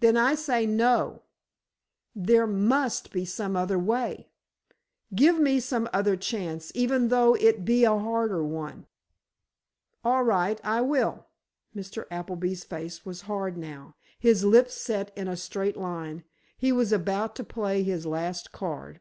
"Then, I say no. There must be some other way! Give me some other chance, even though it be a harder one!" "All right, I will." Mr. Appleby's face was hard now, his lips set in a straight line; he was about to play his last card.